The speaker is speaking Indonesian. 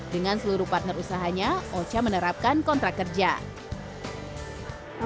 dengan seluruh partner usahanya ocha menerapkan kontrak kerja